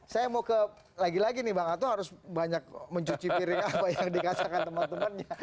saya mau ke lagi lagi nih bang ato harus banyak mencuci piring apa yang dikatakan teman temannya